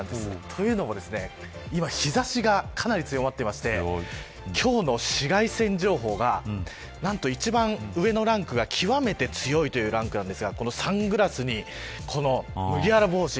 というのも今、日差しが、かなり強まっていまして、今日の紫外線情報がなんと一番上のランクが極めて強いというランクなんですが、このサングラスに麦わら帽子。